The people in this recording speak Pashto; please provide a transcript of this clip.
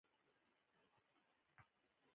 د پاچاهانو د ملک مصلحتونه پوهیږي.